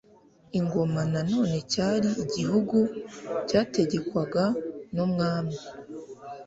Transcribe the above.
Ingoma na none cyari ''Igihugu cyategekwaga n'umwami,